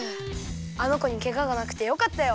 あのこにケガがなくてよかったよ。